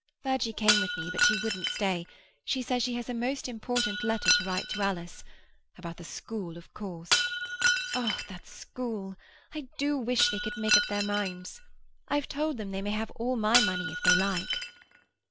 "Virgie came with me, but she wouldn't stay. She says she has a most important letter to write to Alice—about the school, of course. Oh, that school! I do wish they could make up their minds. I've told them they may have all my money, if they like."